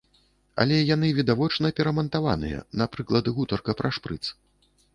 Але яны відавочна перамантаваныя, напрыклад, гутарка пра шпрыц.